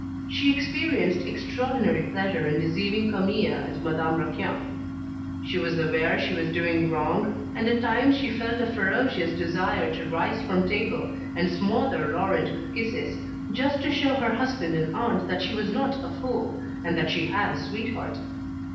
She experienced extraordinary pleasure in deceiving Camille and Madame Raquin. She was aware she was doing wrong, and at times she felt a ferocious desire to rise from table and smother Laurent with kisses, just to show her husband and aunt that she was not a fool, and that she had a sweetheart.